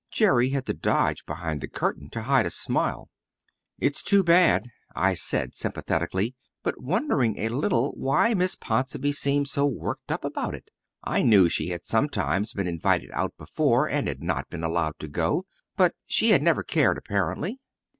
Jerry had to dodge behind the curtain to hide a smile. "It's too bad," I said sympathetically, but wondering a little why Miss Ponsonby seemed so worked up about it. I knew she had sometimes been invited out before and had not been allowed to go, but she had never cared apparently.